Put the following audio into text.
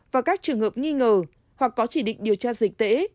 và các trường hợp nghi ngờ hoặc có chỉ định điều tra dịch tễ